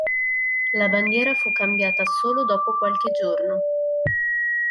La bandiera fu cambiata solo dopo qualche giorno.